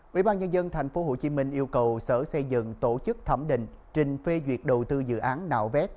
quỹ ban nhân dân tp hcm yêu cầu sở xây dựng tổ chức thẩm định trình phê duyệt đầu tư dự án nạo vét